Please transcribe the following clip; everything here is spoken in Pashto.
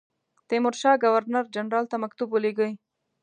تیمورشاه ګورنر جنرال ته مکتوب ولېږی.